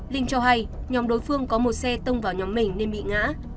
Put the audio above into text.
linh cho hay nhóm đối phương có một xe tông vào nhóm mình nên bị ngã